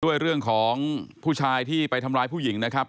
ด้วยเรื่องของผู้ชายที่ไปทำร้ายผู้หญิงนะครับ